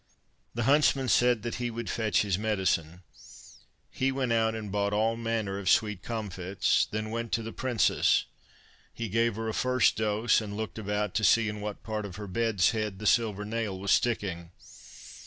The huntsman said that he would fetch his medicine. He went out and bought all manner of [Pg 96] sweet comfits, and then went to the princess. He gave her a first dose, and looked about to see in what part of her bed's head the silver nail was sticking.